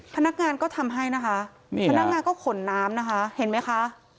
พนักงานก็ทำให้นะคะพนักงานก็ขนน้ำนะคะเห็นไหมคะ